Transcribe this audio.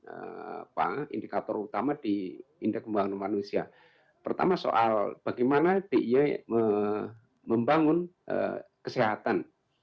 apa indikator utama di indeks pembangunan manusia pertama soal bagaimana dia membangun kesehatan